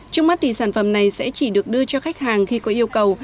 trong mắt thì sản phẩm này sẽ chỉ được đưa cho khách hàng khi có yêu cầu